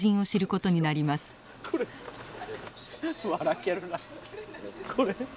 けるなこれ。